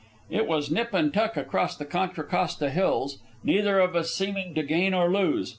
It was nip and tuck across to the Contra Costa Hills, neither of us seeming to gain or to lose.